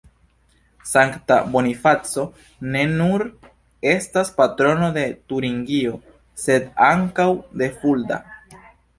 Sankta Bonifaco ne nur estas patrono de Turingio sed ankaŭ de Fulda.